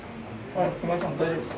大丈夫ですか？